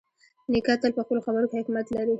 نیکه تل په خپلو خبرو کې حکمت لري.